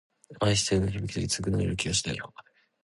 愛してるの響きだけで強くなれる気がしたよ